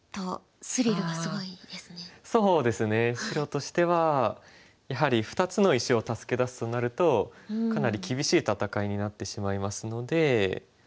白としてはやはり２つの石を助け出すとなるとかなり厳しい戦いになってしまいますので。